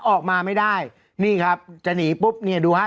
ออกมาไม่ได้นี่ครับจะหนีปุ๊บเนี่ยดูฮะ